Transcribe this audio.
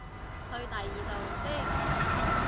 去第二度先